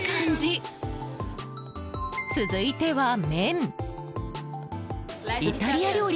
続いては麺。